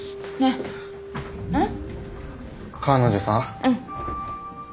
えっ？